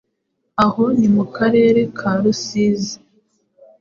aho ni mu Karere ka Rusizi